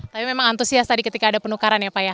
tapi memang antusias tadi ketika ada penukaran ya pak ya